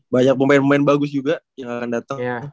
banyak pemain pemain bagus juga yang akan datang